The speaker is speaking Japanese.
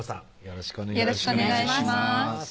よろしくお願いします